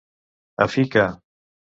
A fi que.